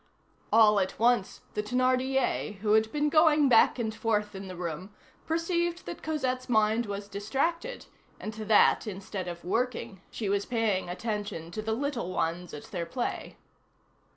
All at once, the Thénardier, who had been going back and forth in the room, perceived that Cosette's mind was distracted, and that, instead of working, she was paying attention to the little ones at their play.